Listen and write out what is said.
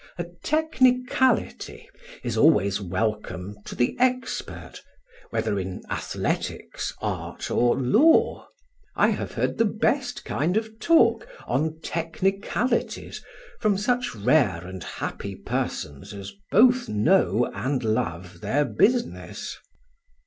A technicality is always welcome to the expert, whether in athletics, art or law; I have heard the best kind of talk on technicalities from such rare and happy persons as both know and love their business.